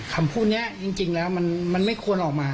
คำพูดนี้จริงแล้วมันไม่ควรออกมา